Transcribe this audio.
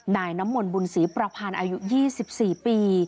นายน้ำมนต์บุญศรีประพันธ์อายุ๒๔ปี